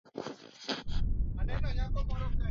kuwa ya moto Mto Amazon Wanasayansi walichunguza